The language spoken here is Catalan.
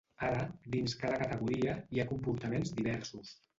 Ara, dins cada categoria hi ha comportaments diversos.